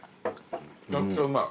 めちゃくちゃうまい。